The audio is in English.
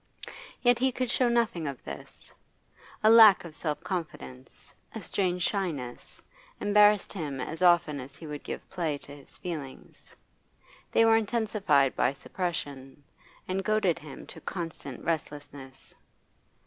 Yet he could show nothing of this. A lack of self confidence, a strange shyness, embarrassed him as often as he would give play to his feelings. They were intensified by suppression, and goaded him to constant restlessness.